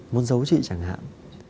muốn giấu chị chẳng hạn